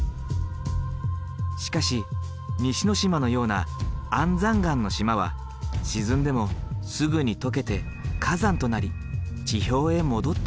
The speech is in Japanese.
しかし西之島のような安山岩の島は沈んでもすぐに溶けて火山となり地表へ戻ってくる。